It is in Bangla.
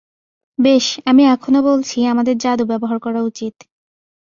বেশ, আমি এখনো বলছি আমাদের জাদু ব্যবহার করা উচিত।